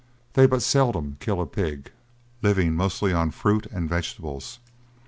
They but seldom kill a pig, living mostly on fruit and vegetables.